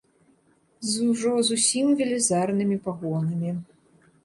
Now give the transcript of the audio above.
З ужо зусім велізарнымі пагонамі.